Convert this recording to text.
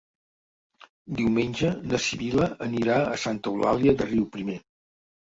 Diumenge na Sibil·la anirà a Santa Eulàlia de Riuprimer.